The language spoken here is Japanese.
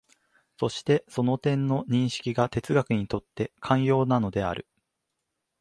そしてその点の認識が哲学にとって肝要なのである。